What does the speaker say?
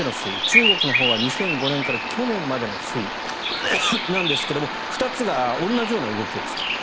中国のほうは２００５年から去年までの推移なんですが２つが同じような動きをしている。